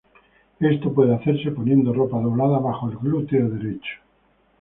Esto puede hacerse poniendo ropa doblada bajo el glúteo derecho.